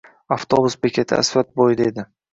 Avtobus bekati asfalt bo`yida edi